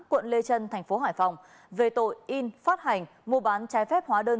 quận lê trân thành phố hải phòng về tội in phát hành mua bán trái phép hóa đơn